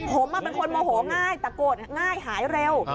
ผมเป็นคนโมโหง่ายแต่โกรธง่ายหายเร็ว